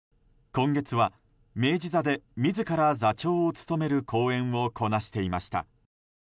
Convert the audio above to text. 今月は明治座で自ら座長を務める公演をこなしていました。